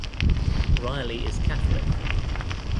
Reilly is Catholic.